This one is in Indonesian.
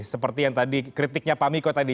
seperti yang tadi kritiknya pak miko tadi